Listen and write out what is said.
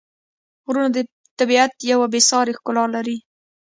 غرونه د طبیعت یوه بېساري ښکلا لري.